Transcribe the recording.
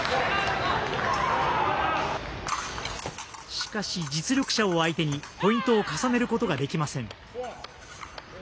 しかし実力者を相手にポイントを重ねることができません。